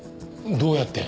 どうやって？